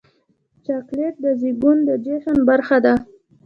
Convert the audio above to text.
چاکلېټ د زیږون د جشن برخه ده.